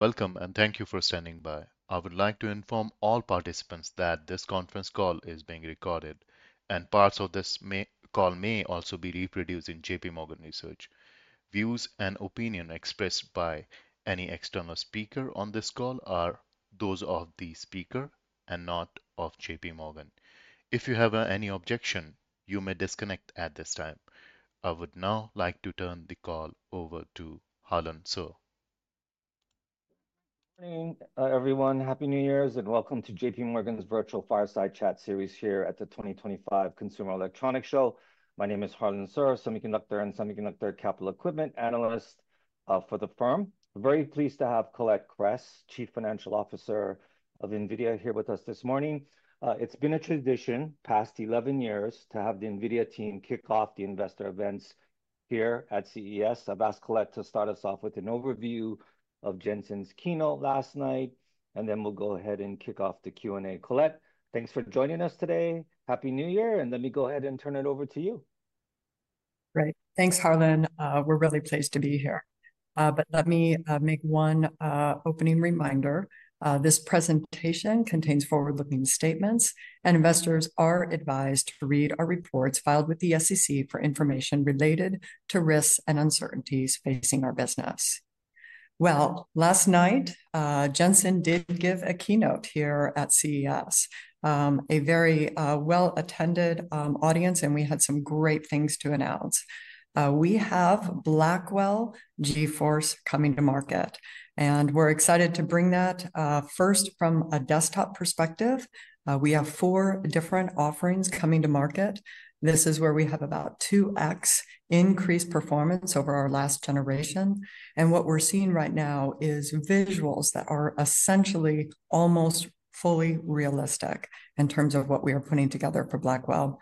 Welcome, and thank you for standing by. I would like to inform all participants that this conference call is being recorded, and parts of this call may also be reproduced in JPMorgan Research. Views and opinions expressed by any external speaker on this call are those of the speaker and not of JPMorgan. If you have any objection, you may disconnect at this time. I would now like to turn the call over to Harlan Suhr. Good morning, everyone. Happy New Year's, and welcome to JPMorgan's virtual fireside chat series here at the 2025 Consumer Electronics Show. My name is Harlan Sur, semiconductor and semiconductor capital equipment analyst for the firm. Very pleased to have Colette Kress, Chief Financial Officer of NVIDIA, here with us this morning. It's been a tradition past 11 years to have the NVIDIA team kick off the investor events here at CES. I've asked Colette to start us off with an overview of Jensen's keynote last night, and then we'll go ahead and kick off the Q&A. Colette, thanks for joining us today. Happy New Year, and let me go ahead and turn it over to you. Great. Thanks, Harlan. We're really pleased to be here. But let me make one opening reminder. This presentation contains forward-looking statements, and investors are advised to read our reports filed with the SEC for information related to risks and uncertainties facing our business. Well, last night, Jensen did give a keynote here at CES, a very well-attended audience, and we had some great things to announce. We have Blackwell GeForce coming to market, and we're excited to bring that first from a desktop perspective. We have four different offerings coming to market. This is where we have about 2x increased performance over our last generation. And what we're seeing right now is visuals that are essentially almost fully realistic in terms of what we are putting together for Blackwell.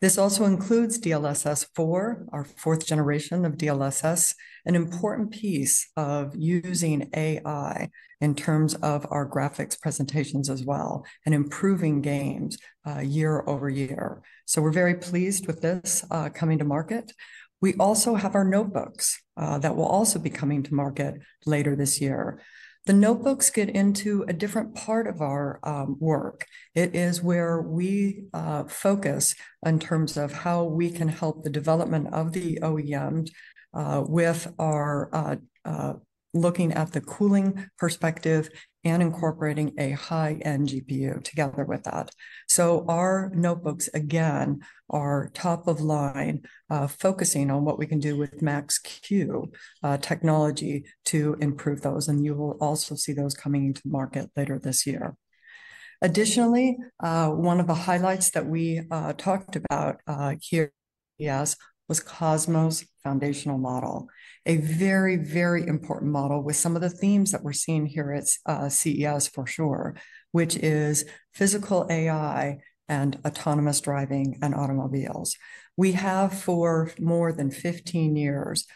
This also includes DLSS 4, our fourth generation of DLSS, an important piece of using AI in terms of our graphics presentations as well, and improving games year-over-year. So we're very pleased with this coming to market. We also have our notebooks that will also be coming to market later this year. The notebooks get into a different part of our work. It is where we focus in terms of how we can help the development of the OEMs with our looking at the cooling perspective and incorporating a high-end GPU together with that. So our notebooks, again, are top of line, focusing on what we can do with Max-Q technology to improve those, and you will also see those coming into market later this year. Additionally, one of the highlights that we talked about here at CES was Cosmos Foundational Model, a very, very important model with some of the themes that we're seeing here at CES for sure, which is physical AI and autonomous driving and automobiles. We have, for more than 15 years,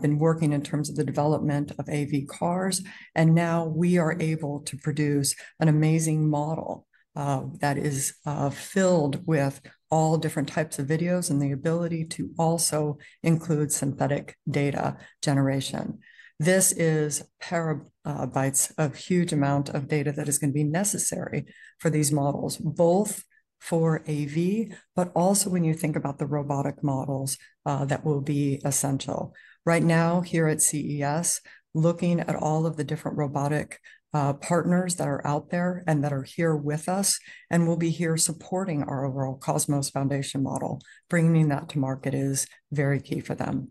been working in terms of the development of AV cars, and now we are able to produce an amazing model that is filled with all different types of videos and the ability to also include synthetic data generation. This is terabytes of huge amounts of data that is going to be necessary for these models, both for AV, but also when you think about the robotic models that will be essential. Right now, here at CES, looking at all of the different robotic partners that are out there and that are here with us, and we'll be here supporting our overall Cosmos Foundation model, bringing that to market is very key for them.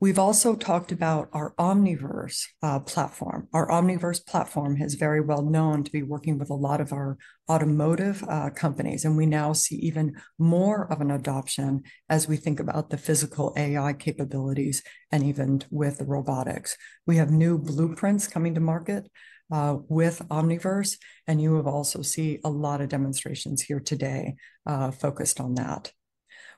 We've also talked about our Omniverse platform. Our Omniverse platform is very well known to be working with a lot of our automotive companies, and we now see even more of an adoption as we think about the physical AI capabilities and even with the robotics. We have new blueprints coming to market with Omniverse, and you will also see a lot of demonstrations here today focused on that.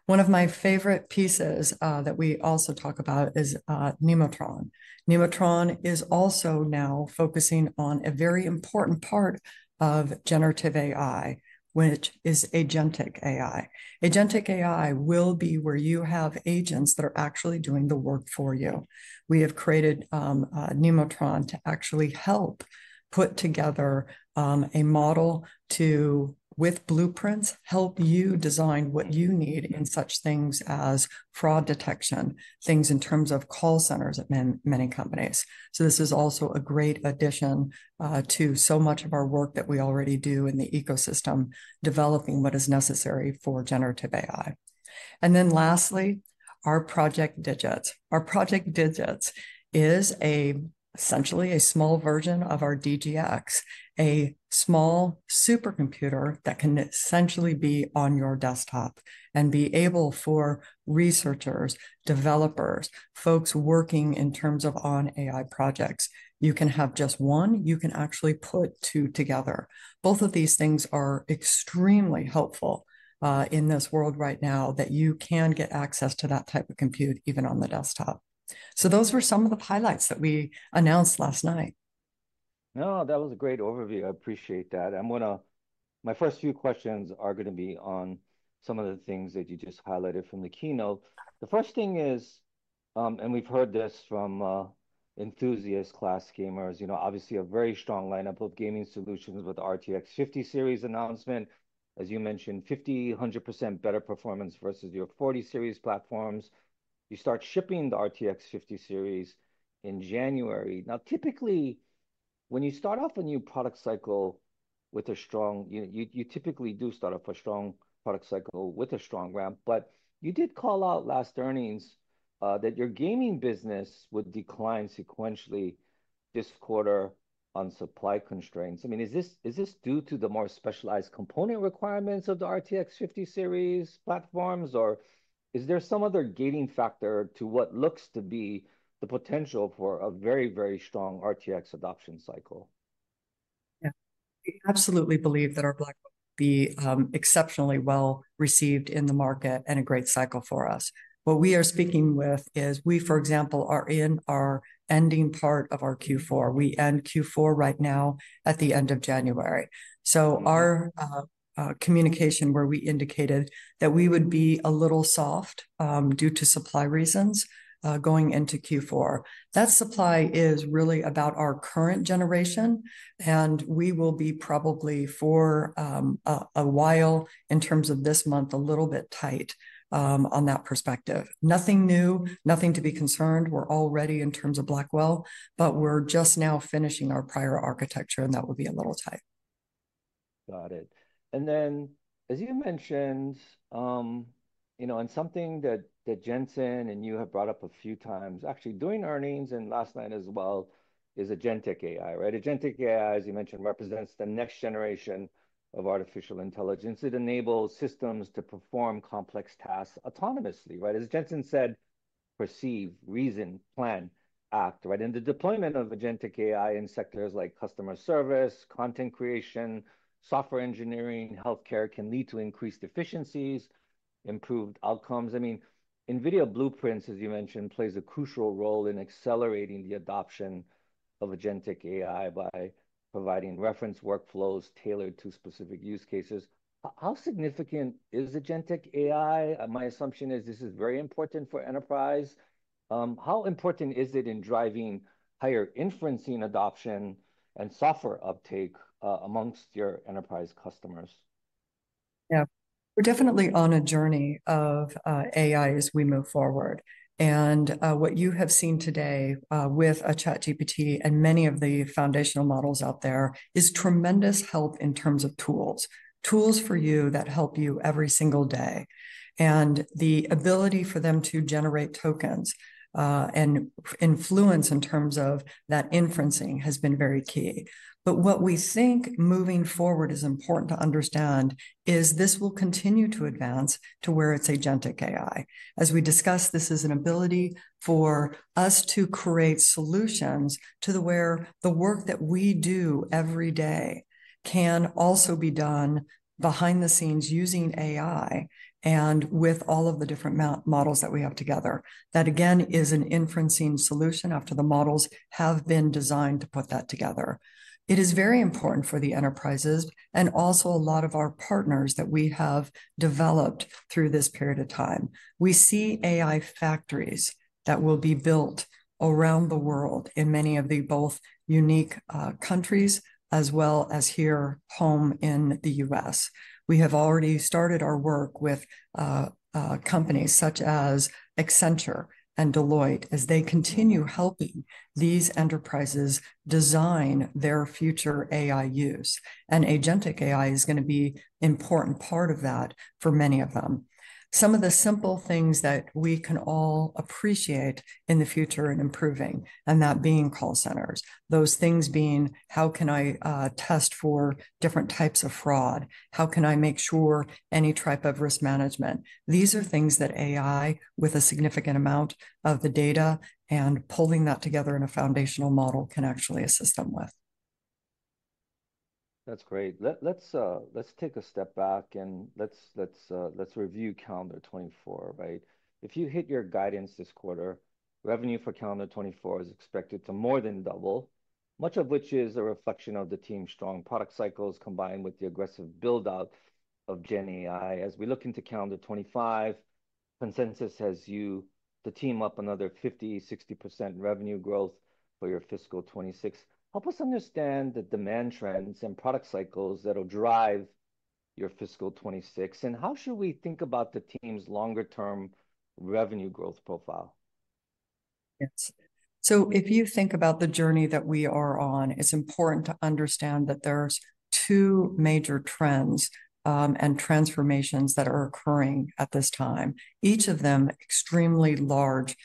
One of my favorite pieces that we also talk about is Nemotron. Nemotron is also now focusing on a very important part of generative AI, which is agentic AI. Agentic AI will be where you have agents that are actually doing the work for you. We have created Nemotron to actually help put together a model with blueprints, help you design what you need in such things as fraud detection, things in terms of call centers at many companies. So this is also a great addition to so much of our work that we already do in the ecosystem, developing what is necessary for generative AI, and then lastly, our Project DIGITS. Our Project DIGITS is essentially a small version of our DGX, a small supercomputer that can essentially be on your desktop and be able for researchers, developers, folks working in terms of on-AI projects. You can have just one. You can actually put two together. Both of these things are extremely helpful in this world right now, that you can get access to that type of compute even on the desktop. So those were some of the highlights that we announced last night. No, that was a great overview. I appreciate that. I'm going to, my first few questions are going to be on some of the things that you just highlighted from the keynote. The first thing is, and we've heard this from enthusiasts, class gamers, you know, obviously a very strong lineup of gaming solutions with the RTX 50 series announcement. As you mentioned, 50-100% better performance versus your 40 series platforms. You start shipping the RTX 50 series in January. Now, typically, when you start off a new product cycle with a strong, you typically do start off a strong product cycle with a strong ramp, but you did call out last earnings that your gaming business would decline sequentially this quarter on supply constraints. I mean, is this due to the more specialized component requirements of the RTX 50 series platforms, or is there some other gating factor to what looks to be the potential for a very, very strong RTX adoption cycle? Yeah, we absolutely believe that our Blackwell will be exceptionally well received in the market and a great cycle for us. What we are speaking with is we, for example, are in our ending part of our Q4. We end Q4 right now at the end of January. So our communication where we indicated that we would be a little soft due to supply reasons going into Q4. That supply is really about our current generation, and we will be probably for a while in terms of this month a little bit tight on that perspective. Nothing new, nothing to be concerned. We're already in terms of Blackwell, but we're just now finishing our prior architecture, and that will be a little tight. Got it. And then, as you mentioned, you know, and something that Jensen and you have brought up a few times, actually during earnings and last night as well, is agentic AI, right? Agentic AI, as you mentioned, represents the next generation of artificial intelligence. It enables systems to perform complex tasks autonomously, right? As Jensen said, perceive, reason, plan, act, right? And the deployment of agentic AI in sectors like customer service, content creation, software engineering, healthcare can lead to increased efficiencies, improved outcomes. I mean, NVIDIA Blueprints, as you mentioned, plays a crucial role in accelerating the adoption of agentic AI by providing reference workflows tailored to specific use cases. How significant is agentic AI? My assumption is this is very important for enterprise. How important is it in driving higher inferencing adoption and software uptake amongst your enterprise customers? Yeah, we're definitely on a journey of AI as we move forward. And what you have seen today with ChatGPT and many of the foundational models out there is tremendous help in terms of tools, tools for you that help you every single day. And the ability for them to generate tokens and influence in terms of that inferencing has been very key. But what we think moving forward is important to understand is this will continue to advance to where it's agentic AI. As we discussed, this is an ability for us to create solutions to the, where the work that we do every day can also be done behind the scenes using AI and with all of the different models that we have together. That, again, is an inferencing solution after the models have been designed to put that together. It is very important for the enterprises and also a lot of our partners that we have developed through this period of time. We see AI factories that will be built around the world in many of the both unique countries as well as here home in the U.S. We have already started our work with companies such as Accenture and Deloitte as they continue helping these enterprises design their future AI use. And Agentic AI is going to be an important part of that for many of them. Some of the simple things that we can all appreciate in the future and improving, and that being call centers, those things being how can I test for different types of fraud, how can I make sure any type of risk management. These are things that AI with a significant amount of the data and pulling that together in a foundational model can actually assist them with. That's great. Let's take a step back and let's review calendar 2024, right? If you hit your guidance this quarter, revenue for calendar 2024 is expected to more than double, much of which is a reflection of the team's strong product cycles combined with the aggressive build-out of GenAI. As we look into calendar 2025, consensus has you, the team up another 50%-60% revenue growth for your fiscal 2026. Help us understand the demand trends and product cycles that will drive your fiscal 2026. And how should we think about the team's longer-term revenue growth profile? Yes. So if you think about the journey that we are on, it's important to understand that there's two major trends and transformations that are occurring at this time, each of them extremely large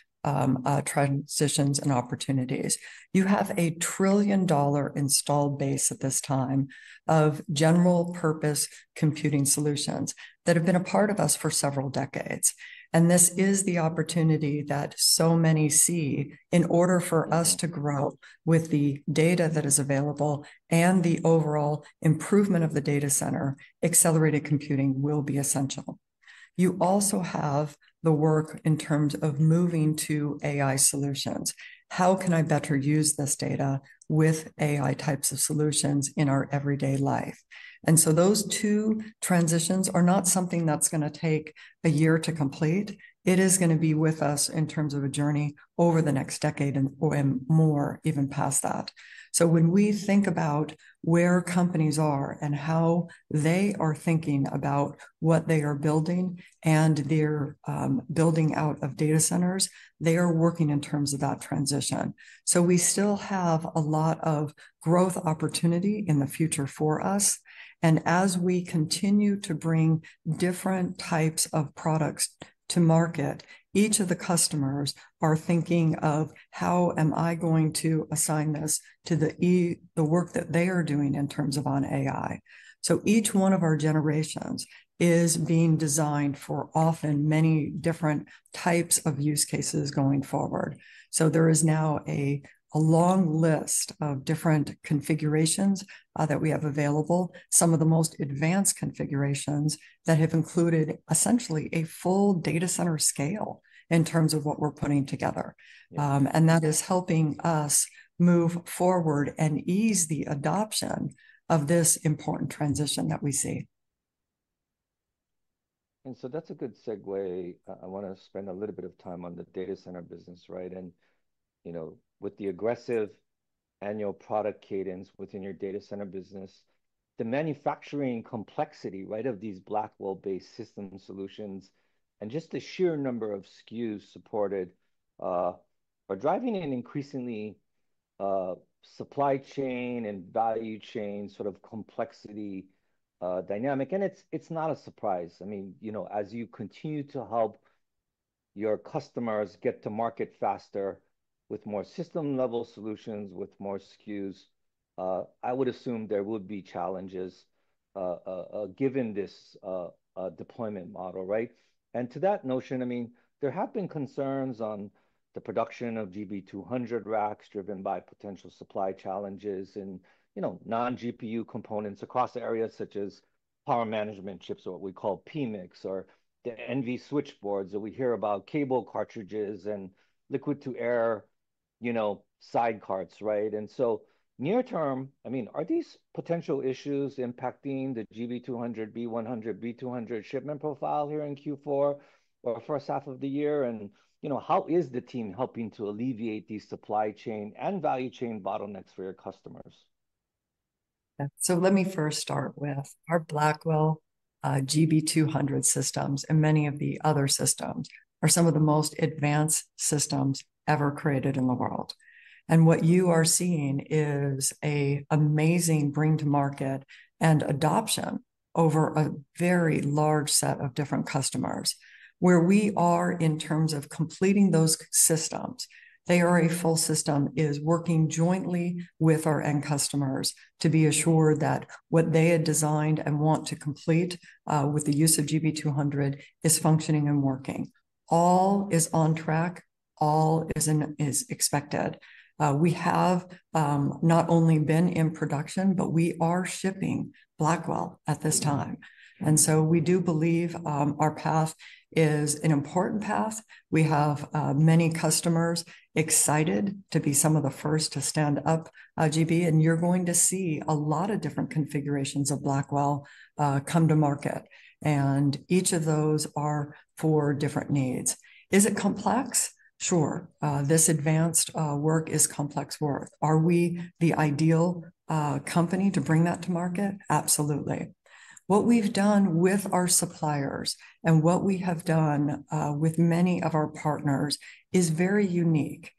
transitions and opportunities. You have a $1-trillion installed base at this time of general-purpose computing solutions that have been a part of us for several decades. And this is the opportunity that so many see in order for us to grow with the data that is available and the overall improvement of the data center. Accelerated computing will be essential. You also have the work in terms of moving to AI solutions. How can I better use this data with AI types of solutions in our everyday life? And so those two transitions are not something that's going to take a year to complete. It is going to be with us in terms of a journey over the next decade and more, even past that. So when we think about where companies are and how they are thinking about what they are building and their building out of data centers, they are working in terms of that transition. So we still have a lot of growth opportunity in the future for us. And as we continue to bring different types of products to market, each of the customers are thinking of how am I going to assign this to the work that they are doing in terms of on AI. So each one of our generations is being designed for often many different types of use cases going forward. There is now a long list of different configurations that we have available, some of the most advanced configurations that have included essentially a full data center scale in terms of what we're putting together. That is helping us move forward and ease the adoption of this important transition that we see. And so that's a good segue. I want to spend a little bit of time on the data center business, right? And you know, with the aggressive annual product cadence within your data center business, the manufacturing complexity, right, of these Blackwell-based system solutions and just the sheer number of SKUs supported are driving an increasingly supply chain and value chain sort of complexity dynamic. And it's not a surprise. I mean, you know, as you continue to help your customers get to market faster with more system-level solutions, with more SKUs, I would assume there would be challenges given this deployment model, right? And to that notion, I mean, there have been concerns on the production of GB200 racks driven by potential supply challenges and, you know, non-GPU components across areas such as power management chips or what we call PMIC or the NVLink Switch boards that we hear about, cable cartridges and liquid-to-air, you know, sidecarts, right? And so near term, I mean, are these potential issues impacting the GB200, B100, B200 shipment profile here in Q4 or first half of the year? And you know, how is the team helping to alleviate these supply chain and value chain bottlenecks for your customers? So let me first start with our Blackwell GB200 systems, and many of the other systems are some of the most advanced systems ever created in the world. What you are seeing is an amazing bring-to-market and adoption over a very large set of different customers. Where we are in terms of completing those systems, they are full systems. We are working jointly with our end customers to be assured that what they had designed and want to complete with the use of GB200 is functioning and working. All is on track. All is expected. We have not only been in production, but we are shipping Blackwell at this time, and so we do believe our path is an important path. We have many customers excited to be some of the first to stand up GB200, and you're going to see a lot of different configurations of Blackwell come to market. And each of those are for different needs. Is it complex? Sure. This advanced work is complex work. Are we the ideal company to bring that to market? Absolutely. What we've done with our suppliers and what we have done with many of our partners is very unique.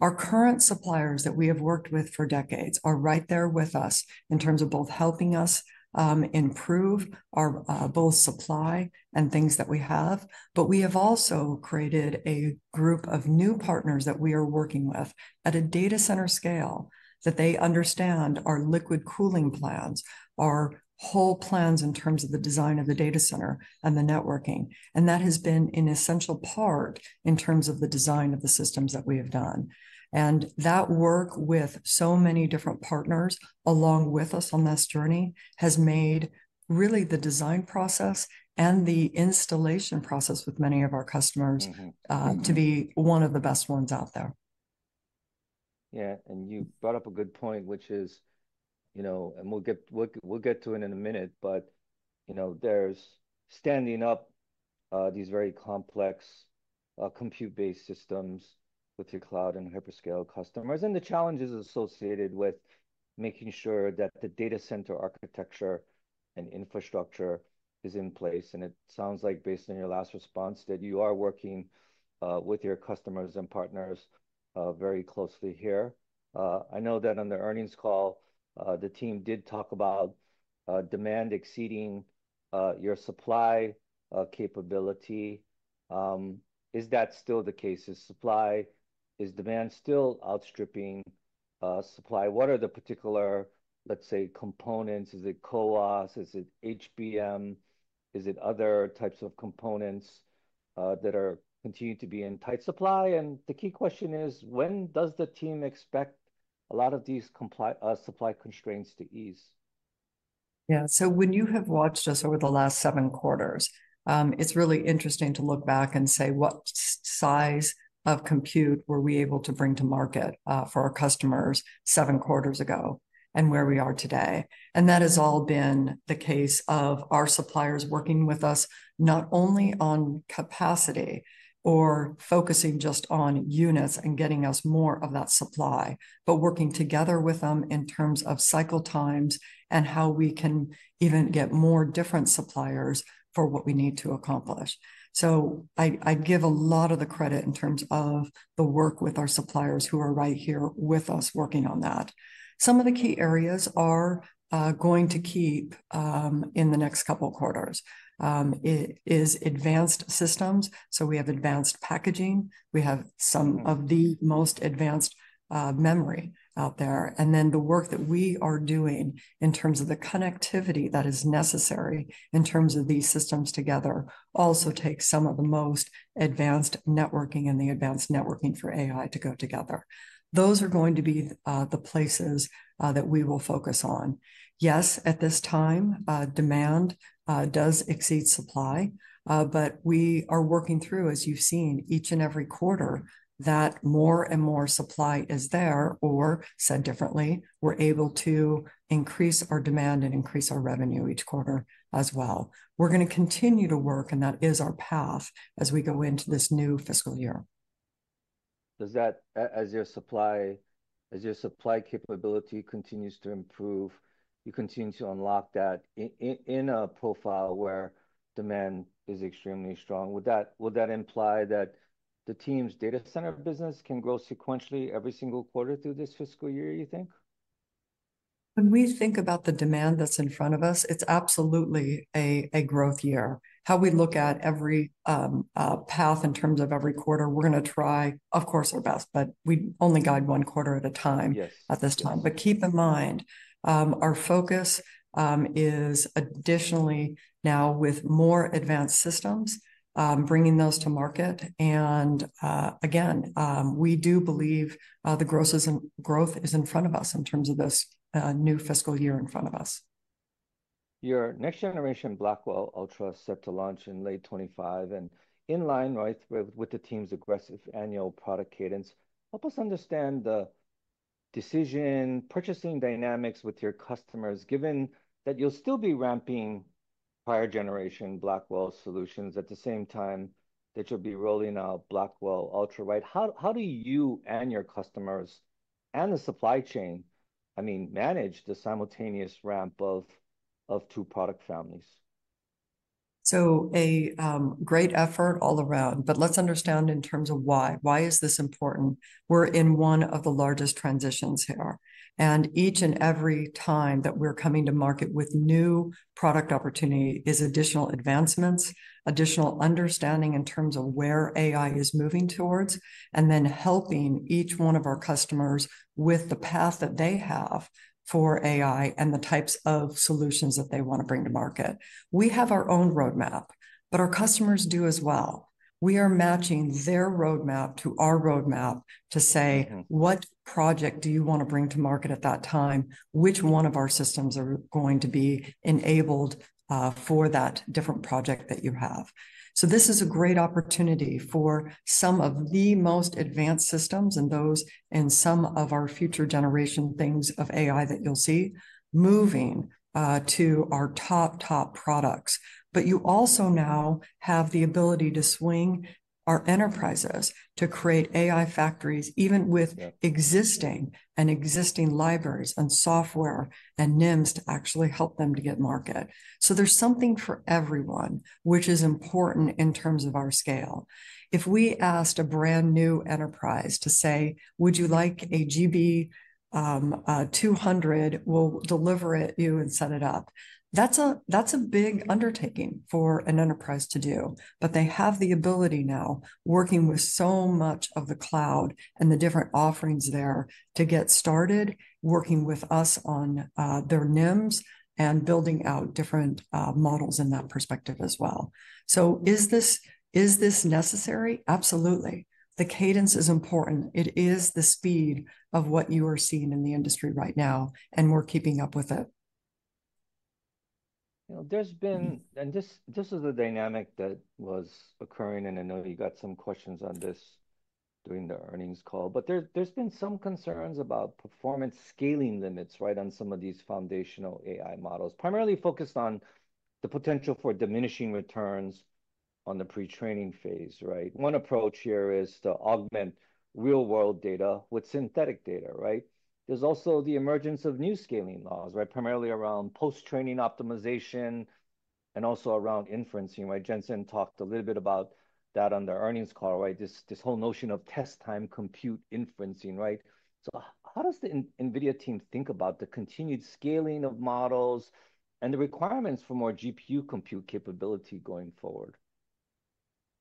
Our current suppliers that we have worked with for decades are right there with us in terms of both helping us improve our both supply and things that we have, but we have also created a group of new partners that we are working with at a data center scale that they understand our liquid cooling plans, our whole plans in terms of the design of the data center and the networking. That has been an essential part in terms of the design of the systems that we have done. That work with so many different partners along with us on this journey has made really the design process and the installation process with many of our customers to be one of the best ones out there. Yeah, and you brought up a good point, which is, you know, and we'll get to it in a minute, but you know, there's standing up these very complex compute-based systems with your cloud and hyperscale customers and the challenges associated with making sure that the data center architecture and infrastructure is in place. And it sounds like based on your last response that you are working with your customers and partners very closely here. I know that on the earnings call, the team did talk about demand exceeding your supply capability. Is that still the case? Is demand still outstripping supply? What are the particular, let's say, components? Is it CoWoS? Is it HBM? Is it other types of components that are continuing to be in tight supply? And the key question is, when does the team expect a lot of these supply constraints to ease? Yeah, so when you have watched us over the last seven quarters, it's really interesting to look back and say what size of compute were we able to bring to market for our customers seven quarters ago and where we are today. And that has all been the case of our suppliers working with us not only on capacity or focusing just on units and getting us more of that supply, but working together with them in terms of cycle times and how we can even get more different suppliers for what we need to accomplish. So I give a lot of the credit in terms of the work with our suppliers who are right here with us working on that. Some of the key areas are going to keep in the next couple of quarters is advanced systems. So we have advanced packaging. We have some of the most advanced memory out there, and then the work that we are doing in terms of the connectivity that is necessary in terms of these systems together also takes some of the most advanced networking and the advanced networking for AI to go together. Those are going to be the places that we will focus on. Yes, at this time, demand does exceed supply, but we are working through, as you've seen, each and every quarter that more and more supply is there or said differently, we're able to increase our demand and increase our revenue each quarter as well. We're going to continue to work, and that is our path as we go into this new fiscal year. Does that, as your supply capability continues to improve, you continue to unlock that in a profile where demand is extremely strong, would that imply that the team's data center business can grow sequentially every single quarter through this fiscal year, you think? When we think about the demand that's in front of us, it's absolutely a growth year. How we look at every path in terms of every quarter, we're going to try, of course, our best, but we only guide one quarter at a time at this time. But keep in mind, our focus is additionally now with more advanced systems, bringing those to market. And again, we do believe the growth is in front of us in terms of this new fiscal year in front of us. Your next generation Blackwell Ultra is set to launch in late 2025, and in line, right, with the team's aggressive annual product cadence, help us understand the decision purchasing dynamics with your customers, given that you'll still be ramping prior generation Blackwell solutions at the same time that you'll be rolling out Blackwell Ultra, right? How do you and your customers and the supply chain, I mean, manage the simultaneous ramp of two product families? So a great effort all around, but let's understand in terms of why. Why is this important? We're in one of the largest transitions here. And each and every time that we're coming to market with new product opportunity is additional advancements, additional understanding in terms of where AI is moving towards, and then helping each one of our customers with the path that they have for AI and the types of solutions that they want to bring to market. We have our own roadmap, but our customers do as well. We are matching their roadmap to our roadmap to say, what project do you want to bring to market at that time? Which one of our systems are going to be enabled for that different project that you have? So this is a great opportunity for some of the most advanced systems and those in some of our future generation things of AI that you'll see moving to our top, top products. But you also now have the ability to bring our enterprises to create AI factories, even with existing libraries and software and NIMs to actually help them to get to market. So there's something for everyone, which is important in terms of our scale. If we asked a brand new enterprise to say, would you like a GB200? We'll deliver it to you and set it up. That's a big undertaking for an enterprise to do, but they have the ability now, working with so much of the cloud and the different offerings there to get started working with us on their NIMs and building out different models in that perspective as well. So is this necessary? Absolutely. The cadence is important. It is the speed of what you are seeing in the industry right now, and we're keeping up with it. There's been, and this is the dynamic that was occurring, and I know you got some questions on this during the earnings call, but there's been some concerns about performance scaling limits, right, on some of these foundational AI models, primarily focused on the potential for diminishing returns on the pretraining phase, right? One approach here is to augment real-world data with synthetic data, right? There's also the emergence of new scaling laws, right, primarily around post-training optimization and also around inferencing, right? Jensen talked a little bit about that on the earnings call, right? This whole notion of test time compute inferencing, right? So how does the NVIDIA team think about the continued scaling of models and the requirements for more GPU compute capability going forward?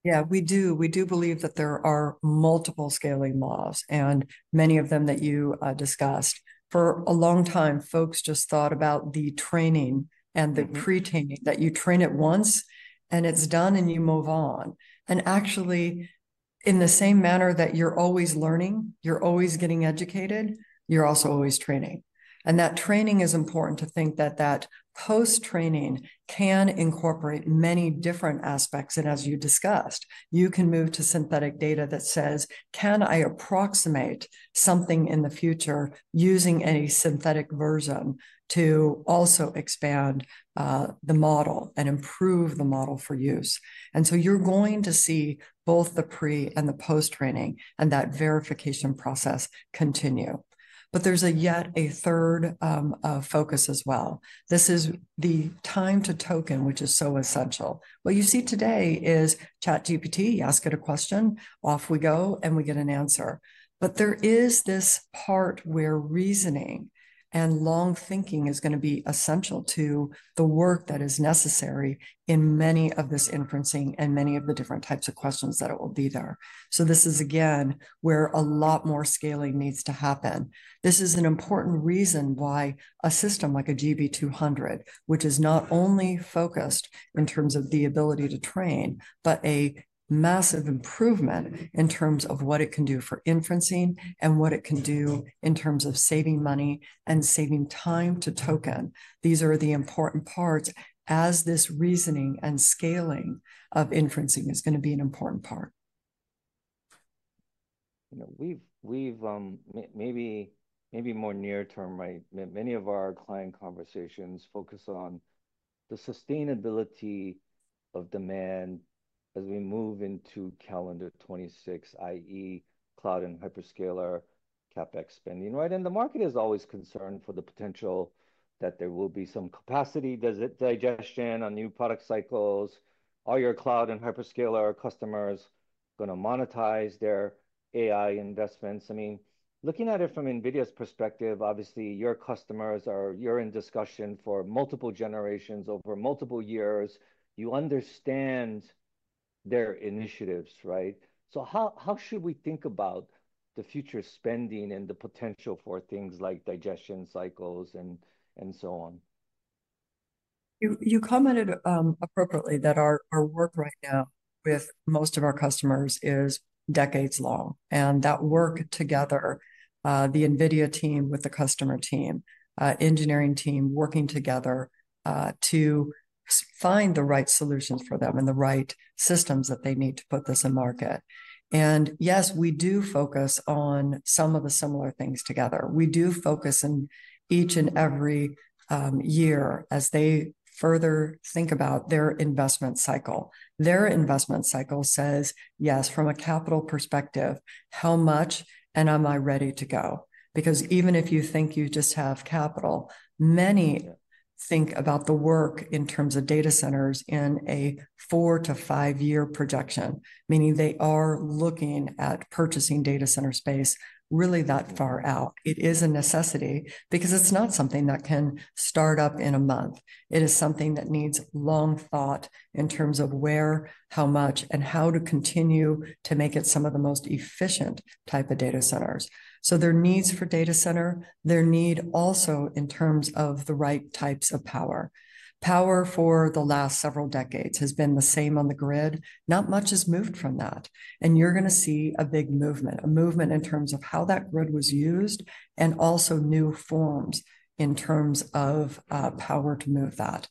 Yeah, we do. We do believe that there are multiple scaling laws and many of them that you discussed. For a long time, folks just thought about the training and the pretraining that you train at once and it's done and you move on. And actually, in the same manner that you're always learning, you're always getting educated, you're also always training. And that training is important to think that that post-training can incorporate many different aspects. And as you discussed, you can move to synthetic data that says, can I approximate something in the future using a synthetic version to also expand the model and improve the model for use? And so you're going to see both the pre and the post-training and that verification process continue. But there's yet a third focus as well. This is the time to token, which is so essential. What you see today is ChatGPT. You ask it a question, off we go, and we get an answer. But there is this part where reasoning and long thinking is going to be essential to the work that is necessary in many of this inferencing and many of the different types of questions that will be there. So this is again where a lot more scaling needs to happen. This is an important reason why a system like a GB200, which is not only focused in terms of the ability to train, but a massive improvement in terms of what it can do for inferencing and what it can do in terms of saving money and saving time to token. These are the important parts as this reasoning and scaling of inferencing is going to be an important part. You know, we've maybe more near term, right? Many of our client conversations focus on the sustainability of demand as we move into calendar 2026, i.e., cloud and hyperscaler CapEx spending, right? And the market is always concerned for the potential that there will be some capacity digestion on new product cycles. Are your cloud and hyperscaler customers going to monetize their AI investments? I mean, looking at it from NVIDIA's perspective, obviously your customers, you're in discussion for multiple generations over multiple years. You understand their initiatives, right? So how should we think about the future spending and the potential for things like digestion cycles and so on? You commented appropriately that our work right now with most of our customers is decades long, and that work together, the NVIDIA team with the customer team, engineering team working together to find the right solutions for them and the right systems that they need to put this in market, and yes, we do focus on some of the similar things together. We do focus in each and every year as they further think about their investment cycle. Their investment cycle says, yes, from a capital perspective, how much and am I ready to go? Because even if you think you just have capital, many think about the work in terms of data centers in a four- to five-year projection, meaning they are looking at purchasing data center space really that far out. It is a necessity because it's not something that can start up in a month. It is something that needs long thought in terms of where, how much, and how to continue to make it some of the most efficient type of data centers. So their needs for data center, their need also in terms of the right types of power. Power for the last several decades has been the same on the grid. Not much has moved from that. And you're going to see a big movement, a movement in terms of how that grid was used and also new forms in terms of power to move that.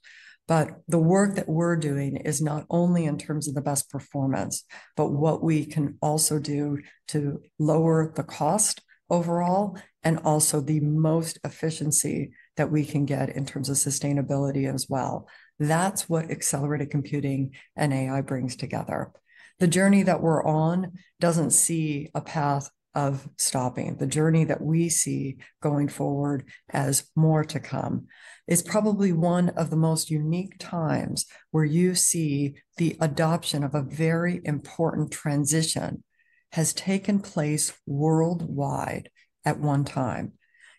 But the work that we're doing is not only in terms of the best performance, but what we can also do to lower the cost overall and also the most efficiency that we can get in terms of sustainability as well. That's what accelerated computing and AI brings together. The journey that we're on doesn't see a path of stopping. The journey that we see going forward as more to come is probably one of the most unique times where you see the adoption of a very important transition has taken place worldwide at one time.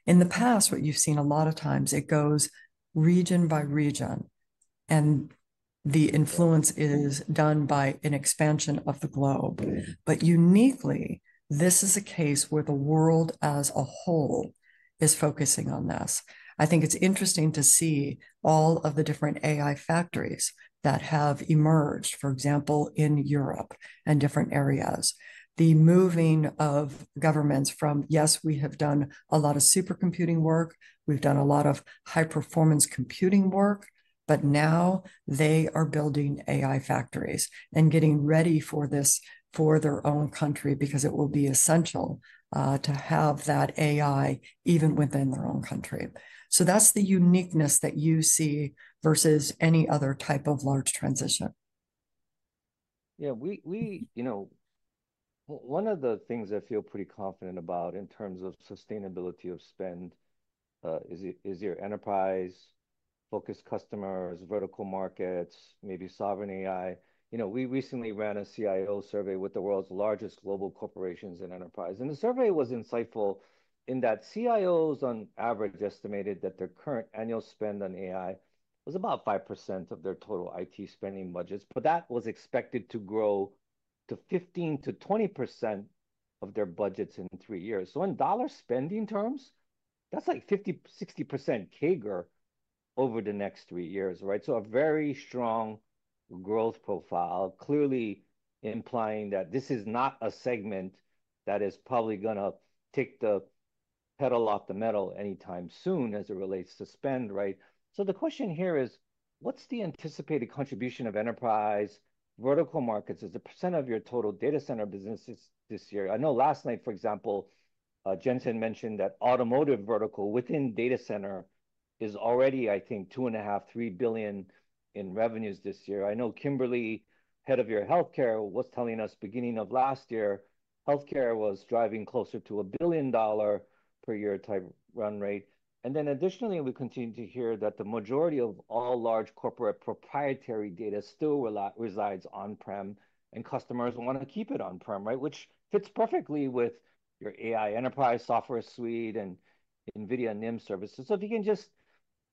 In the past, what you've seen a lot of times, it goes region by region and the influence is done by an expansion of the globe. But uniquely, this is a case where the world as a whole is focusing on this. I think it's interesting to see all of the different AI factories that have emerged, for example, in Europe and different areas. The moving of governments from, yes, we have done a lot of supercomputing work, we've done a lot of high-performance computing work, but now they are building AI factories and getting ready for this for their own country because it will be essential to have that AI even within their own country. So that's the uniqueness that you see versus any other type of large transition. Yeah, we, you know, one of the things I feel pretty confident about in terms of sustainability of spend is your enterprise-focused customers, vertical markets, maybe sovereign AI. You know, we recently ran a CIO survey with the world's largest global corporations and enterprise. And the survey was insightful in that CIOs on average estimated that their current annual spend on AI was about 5% of their total IT spending budgets, but that was expected to grow to 15%-20% of their budgets in three years. So in dollar spending terms, that's like 50%-60% CAGR over the next three years, right? So a very strong growth profile, clearly implying that this is not a segment that is probably going to take the pedal off the metal anytime soon as it relates to spend, right? So the question here is, what's the anticipated contribution of enterprise, vertical markets as a percent of your total data center business this year? I know last night, for example, Jensen mentioned that automotive vertical within data center is already, I think, $2.5 billion-$3 billion in revenues this year. I know Kimberly, head of your healthcare, was telling us beginning of last year, healthcare was driving closer to $1 billion per year type run rate. And then additionally, we continue to hear that the majority of all large corporate proprietary data still resides on-prem and customers want to keep it on-prem, right? Which fits perfectly with your AI enterprise software suite and NVIDIA NIM services. So if you can just,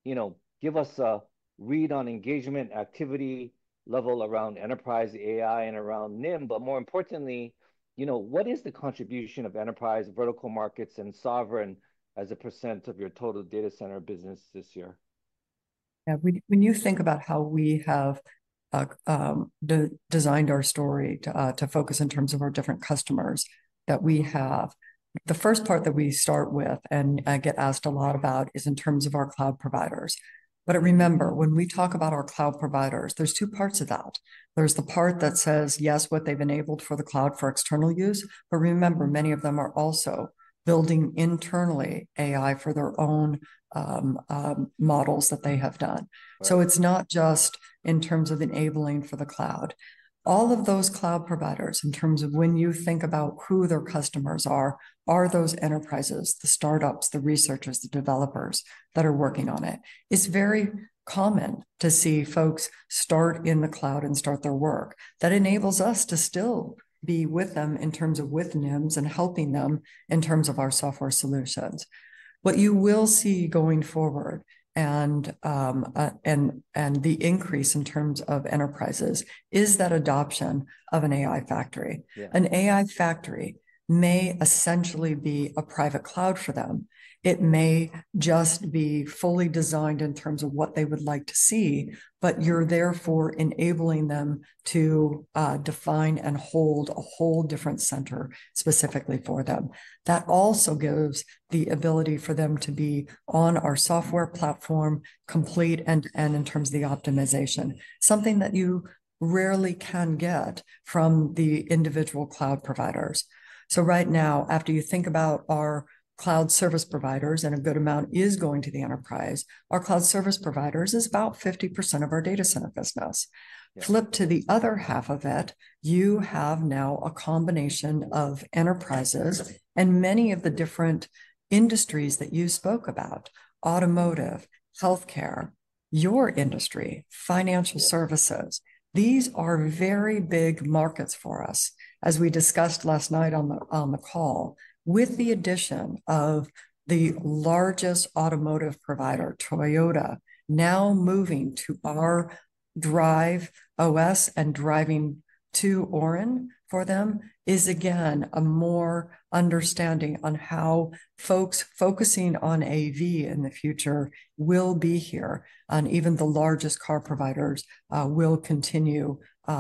you know, give us a read on engagement activity level around enterprise AI and around NIM, but more importantly, you know, what is the contribution of enterprise, vertical markets, and sovereign as a % of your total data center business this year? Yeah, when you think about how we have designed our story to focus in terms of our different customers that we have, the first part that we start with and get asked a lot about is in terms of our cloud providers. But remember, when we talk about our cloud providers, there's two parts of that. There's the part that says, yes, what they've enabled for the cloud for external use, but remember, many of them are also building internally AI for their own models that they have done. So it's not just in terms of enabling for the cloud. All of those cloud providers, in terms of when you think about who their customers are, are those enterprises, the startups, the researchers, the developers that are working on it? It's very common to see folks start in the cloud and start their work. That enables us to still be with them in terms of with NIMs and helping them in terms of our software solutions. What you will see going forward and the increase in terms of enterprises is that adoption of an AI factory. An AI factory may essentially be a private cloud for them. It may just be fully designed in terms of what they would like to see, but you're therefore enabling them to define and hold a whole different center specifically for them. That also gives the ability for them to be on our software platform, complete and in terms of the optimization, something that you rarely can get from the individual cloud providers. So right now, after you think about our cloud service providers and a good amount is going to the enterprise, our cloud service providers is about 50% of our data center business. Flip to the other half of it. You have now a combination of enterprises and many of the different industries that you spoke about, automotive, healthcare, your industry, financial services. These are very big markets for us, as we discussed last night on the call, with the addition of the largest automotive provider, Toyota, now moving to our Drive OS and driving to ORAN for them is again a more understanding on how folks focusing on AV in the future will be here, and even the largest car providers will continue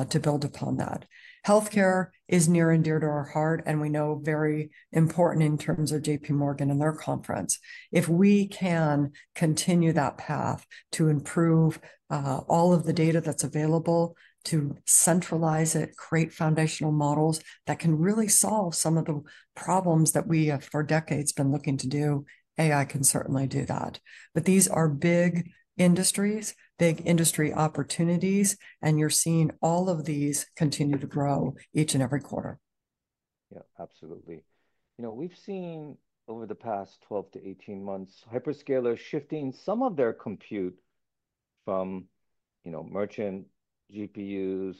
to build upon that. Healthcare is near and dear to our heart and we know very important in terms of JPMorgan and their conference. If we can continue that path to improve all of the data that's available to centralize it, create foundational models that can really solve some of the problems that we have for decades been looking to do, AI can certainly do that. But these are big industries, big industry opportunities, and you're seeing all of these continue to grow each and every quarter. Yeah, absolutely. You know, we've seen over the past 12-18 months, hyperscalers shifting some of their compute from, you know, merchant GPUs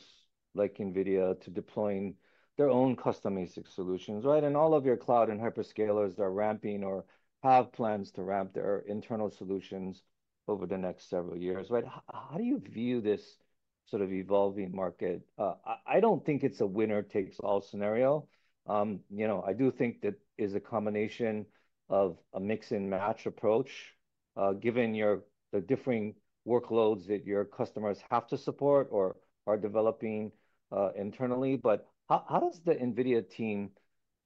like NVIDIA to deploying their own custom ASIC solutions, right? And all of your cloud and hyperscalers are ramping or have plans to ramp their internal solutions over the next several years, right? How do you view this sort of evolving market? I don't think it's a winner takes all scenario. You know, I do think that is a combination of a mix and match approach, given the differing workloads that your customers have to support or are developing internally. But how does the NVIDIA team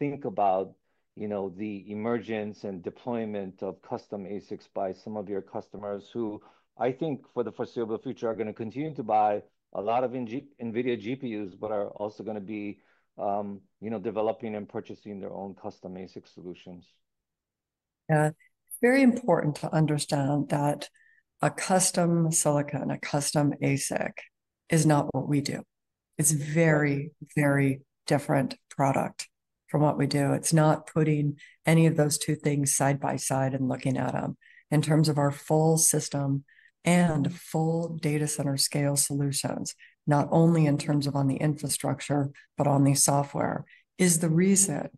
think about, you know, the emergence and deployment of custom ASICs by some of your customers who I think for the foreseeable future are going to continue to buy a lot of NVIDIA GPUs, but are also going to be, you know, developing and purchasing their own custom ASIC solutions? Yeah, it's very important to understand that a custom silicon, a custom ASIC is not what we do. It's a very, very different product from what we do. It's not putting any of those two things side by side and looking at them. In terms of our full system and full data center scale solutions, not only in terms of on the infrastructure, but on the software, is the reason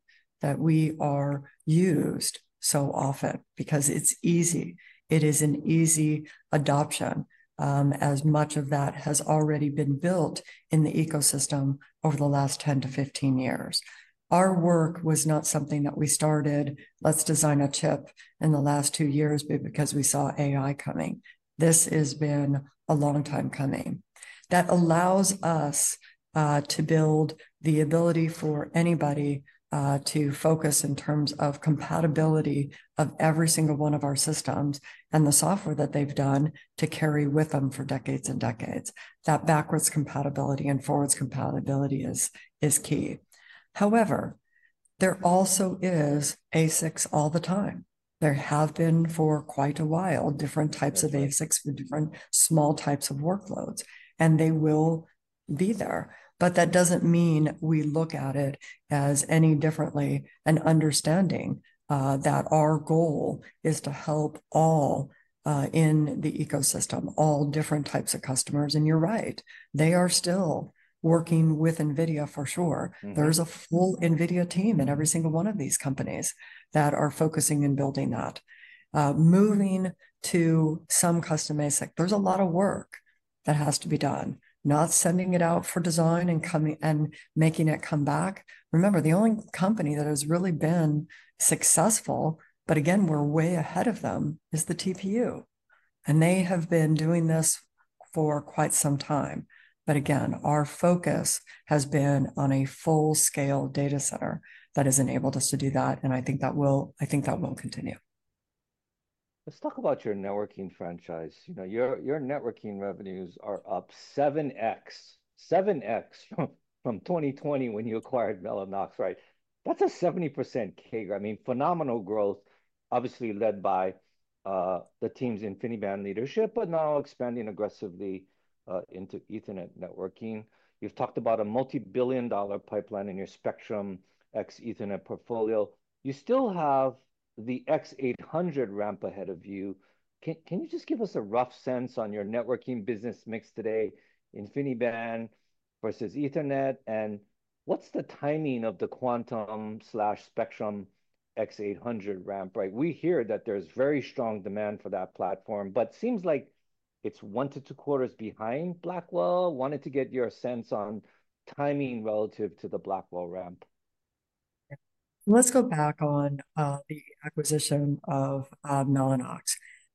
that we are used so often because it's easy. It is an easy adoption as much of that has already been built in the ecosystem over the last 10-15 years. Our work was not something that we started, let's design a chip in the last two years because we saw AI coming. This has been a long time coming. That allows us to build the ability for anybody to focus in terms of compatibility of every single one of our systems and the software that they've done to carry with them for decades and decades. That backwards compatibility and forwards compatibility is key. However, there also is ASICs all the time. There have been for quite a while different types of ASICs for different small types of workloads, and they will be there. But that doesn't mean we look at it as any differently and understanding that our goal is to help all in the ecosystem, all different types of customers, and you're right, they are still working with NVIDIA for sure. There's a full NVIDIA team in every single one of these companies that are focusing and building that. Moving to some custom ASIC, there's a lot of work that has to be done, not sending it out for design and coming and making it come back. Remember, the only company that has really been successful, but again, we're way ahead of them, is the TPU. And they have been doing this for quite some time. But again, our focus has been on a full-scale data center that has enabled us to do that. And I think that will continue. Let's talk about your networking franchise. You know, your networking revenues are up 7X, 7X from 2020 when you acquired Mellanox, right? That's a 70% CAGR. I mean, phenomenal growth, obviously led by the team's InfiniBand leadership, but now expanding aggressively into Ethernet networking. You've talked about a multi-billion-dollar pipeline in your Spectrum-X Ethernet portfolio. You still have the X800 ramp ahead of you. Can you just give us a rough sense on your networking business mix today, InfiniBand versus Ethernet, and what's the timing of the Quantum/Spectrum-X800 ramp, right? We hear that there's very strong demand for that platform, but it seems like it's one to two quarters behind Blackwell. Wanted to get your sense on timing relative to the Blackwell ramp. Let's go back on the acquisition of Mellanox.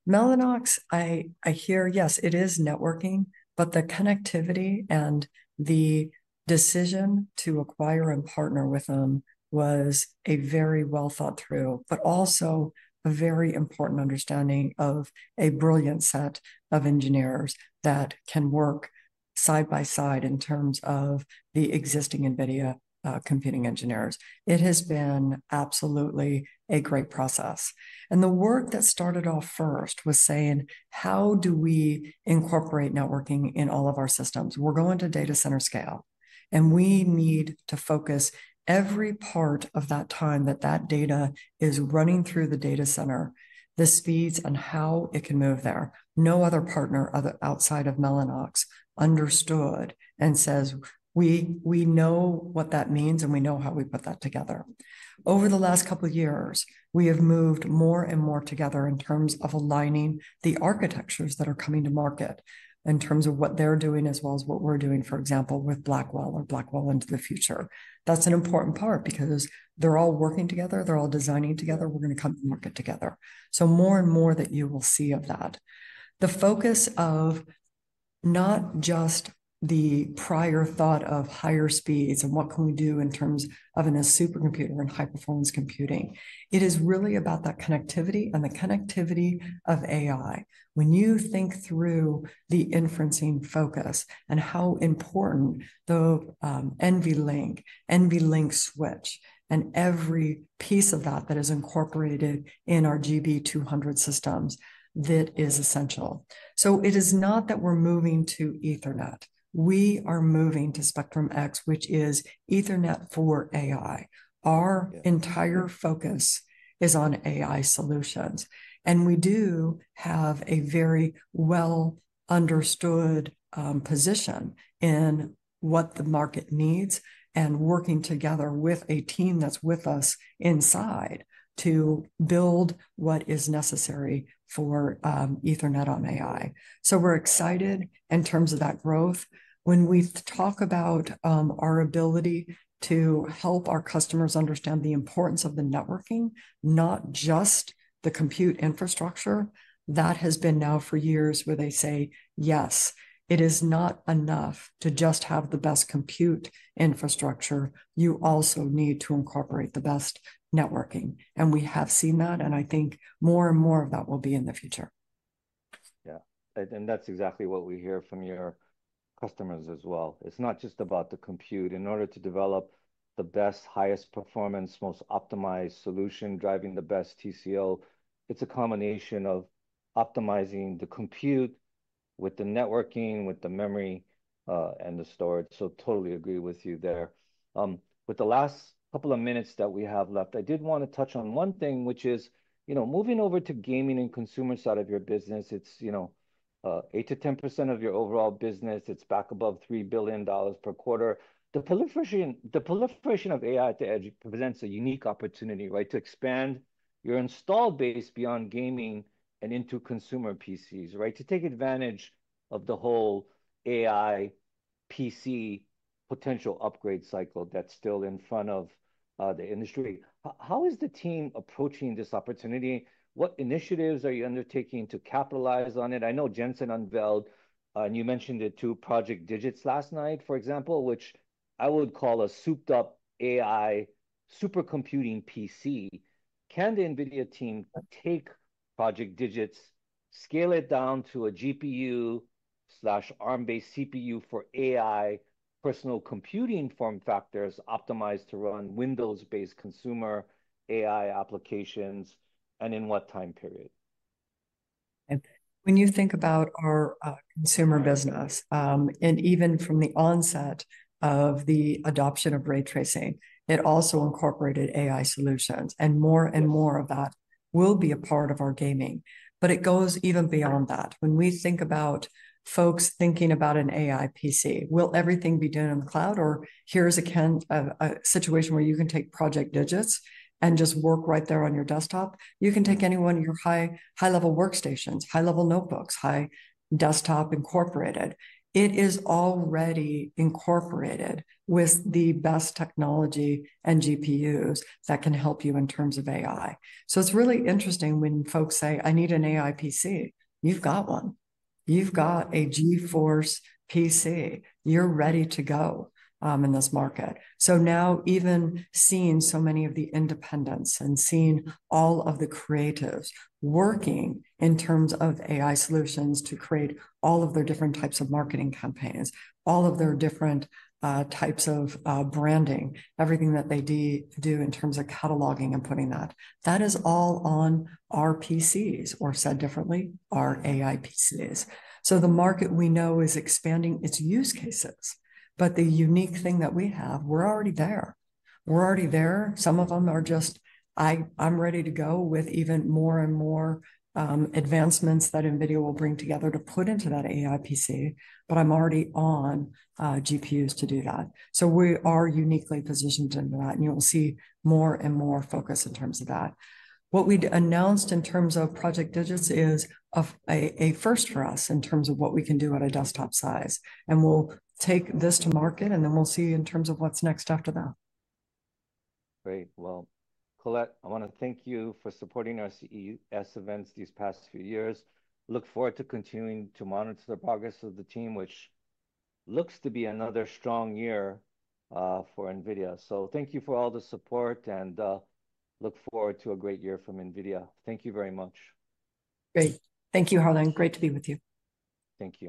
Mellanox, I hear, yes, it is networking, but the connectivity and the decision to acquire and partner with them was a very well thought through, but also a very important understanding of a brilliant set of engineers that can work side by side in terms of the existing NVIDIA computing engineers. It has been absolutely a great process, and the work that started off first was saying, how do we incorporate networking in all of our systems? We're going to data center scale, and we need to focus every part of that time that that data is running through the data center, the speeds and how it can move there. No other partner outside of Mellanox understood and says, we know what that means and we know how we put that together. Over the last couple of years, we have moved more and more together in terms of aligning the architectures that are coming to market in terms of what they're doing as well as what we're doing, for example, with Blackwell or Blackwell into the future. That's an important part because they're all working together, they're all designing together, we're going to come to market together. So more and more that you will see of that. The focus of not just the prior thought of higher speeds and what can we do in terms of a supercomputer and high-performance computing, it is really about that connectivity and the connectivity of AI. When you think through the inferencing focus and how important the NVLink, NVLink switch, and every piece of that that is incorporated in our GB200 systems, that is essential. So it is not that we're moving to Ethernet. We are moving to Spectrum X, which is Ethernet for AI. Our entire focus is on AI solutions. And we do have a very well understood position in what the market needs and working together with a team that's with us inside to build what is necessary for Ethernet on AI. So we're excited in terms of that growth. When we talk about our ability to help our customers understand the importance of the networking, not just the compute infrastructure, that has been now for years where they say, yes, it is not enough to just have the best compute infrastructure. You also need to incorporate the best networking. And we have seen that, and I think more and more of that will be in the future. Yeah, and that's exactly what we hear from your customers as well. It's not just about the compute. In order to develop the best, highest performance, most optimized solution driving the best TCO, it's a combination of optimizing the compute with the networking, with the memory and the storage. So totally agree with you there. With the last couple of minutes that we have left, I did want to touch on one thing, which is, you know, moving over to gaming and consumer side of your business, it's, you know, 8%-10% of your overall business. It's back above $3 billion per quarter. The proliferation of AI at the edge presents a unique opportunity, right, to expand your install base beyond gaming and into consumer PCs, right, to take advantage of the whole AI PC potential upgrade cycle that's still in front of the industry. How is the team approaching this opportunity? What initiatives are you undertaking to capitalize on it? I know Jensen unveiled, and you mentioned it too, Project DIGITS last night, for example, which I would call a souped-up AI supercomputing PC. Can the NVIDIA team take Project DIGITS, scale it down to a GPU/Arm-based CPU for AI personal computing form factors optimized to run Windows-based consumer AI applications, and in what time period? When you think about our consumer business, and even from the onset of the adoption of ray tracing, it also incorporated AI solutions. More and more of that will be a part of our gaming. It goes even beyond that. When we think about folks thinking about an AI PC, will everything be done in the cloud? Or here's a situation where you can take Project DIGITS and just work right there on your desktop. You can take anyone in your high-level workstations, high-level notebooks, high desktop incorporated. It is already incorporated with the best technology and GPUs that can help you in terms of AI. It's really interesting when folks say, I need an AI PC. You've got one. You've got a GeForce PC. You're ready to go in this market. So now even seeing so many of the independents and seeing all of the creatives working in terms of AI solutions to create all of their different types of marketing campaigns, all of their different types of branding, everything that they do in terms of cataloging and putting that, that is all on our PCs, or said differently, our AI PCs. So the market we know is expanding its use cases, but the unique thing that we have, we're already there. We're already there. Some of them are just, I'm ready to go with even more and more advancements that NVIDIA will bring together to put into that AI PC, but I'm already on GPUs to do that. So we are uniquely positioned into that, and you'll see more and more focus in terms of that. What we announced in terms of Project DIGITS is a first for us in terms of what we can do at a desktop size and we'll take this to market, and then we'll see in terms of what's next after that. Great. Well, Colette, I want to thank you for supporting our CES events these past few years. Look forward to continuing to monitor the progress of the team, which looks to be another strong year for NVIDIA. So thank you for all the support and look forward to a great year from NVIDIA. Thank you very much. Great. Thank you, Harlan. Great to be with you. Thank you.